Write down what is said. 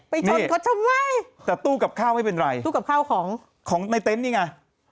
ชนเขาทำไมแต่ตู้กับข้าวไม่เป็นไรตู้กับข้าวของของในเต็นต์นี่ไง